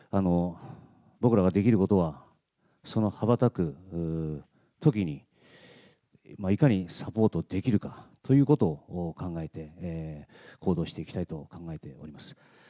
僕らができることは、その羽ばたくときに、いかにサポートできるかということを考えて行動していきたいと考えております。